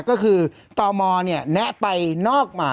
ก็คือตอมอเนี่ยแนะไปนอกมา